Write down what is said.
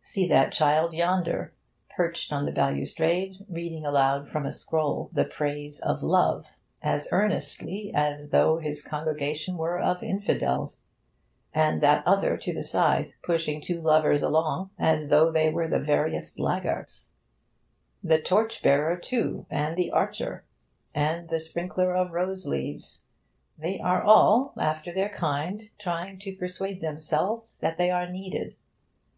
See that child yonder, perched on the balustrade, reading aloud from a scroll the praise of love as earnestly as though his congregation were of infidels. And that other, to the side, pushing two lovers along as though they were the veriest laggarts. The torch bearer, too, and the archer, and the sprinkler of the rose leaves they are all, after their kind, trying to persuade themselves that they are needed.